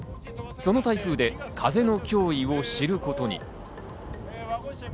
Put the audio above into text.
その台風で風の脅威を知ることに。